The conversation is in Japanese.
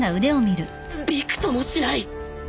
びくともしない！